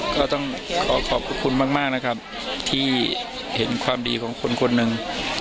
ก็ต้องขอขอบคุณมากนะครับที่เห็นความดีของคนคนหนึ่ง